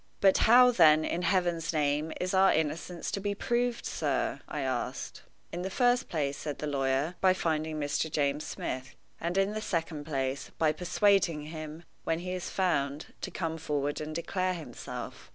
"But how, then, in Heaven's name, is our innocence to be proved, sir?" I asked. "In the first place," said the lawyer, "by finding Mr. James Smith; and, in the second place, by persuading him, when he is found, to come forward and declare himself."